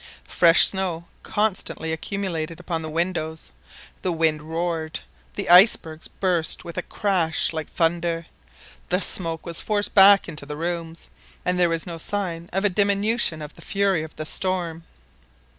Fresh snow constantly accumulated upon the windows, the wind roared, the icebergs burst with a crash like thunder, the smoke was forced back into the rooms, and there were no signs of a diminution of the fury of the storm.